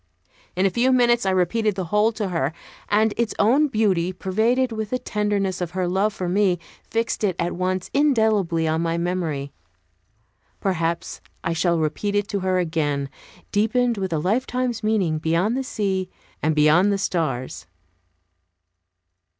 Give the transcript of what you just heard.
In a few minutes I repeated the whole to her and its own beauty, pervaded with the tenderness of her love for me, fixed it at once indelibly in my memory. Perhaps I shall repeat it to her again, deepened with a lifetime's meaning, beyond the sea, and beyond the stars.